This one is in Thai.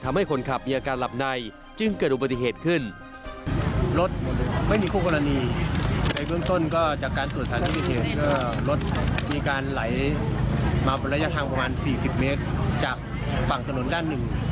รถมีการไหลมาระยะทางประมาณ๔๐เมตรจากฝั่งตนนด้านหนึ่ง